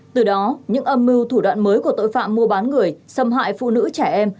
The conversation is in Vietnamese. từ đó những âm mưu thủ đoạn mới của tội phạm mua bán người xâm hại phụ nữ trẻ em